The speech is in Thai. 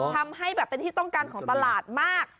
ทำให้แบบเป็นที่ต้องการของตลาดมาก